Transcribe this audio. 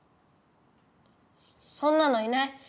そんなのいない！